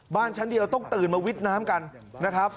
บ้านชั้นเดียวต้องตื่นมาวิทย์น้ำกันนะครับ